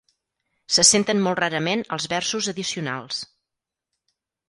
Se senten molt rarament els versos addicionals.